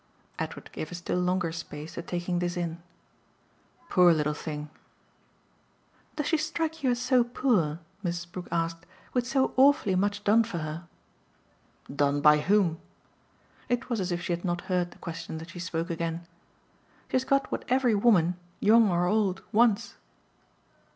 Edward gave a still longer space to taking this in. "Poor little thing!" "Does she strike you as so poor," Mrs. Brook asked, "with so awfully much done for her?" "Done by whom?" It was as if she had not heard the question that she spoke again. "She has got what every woman, young or old, wants."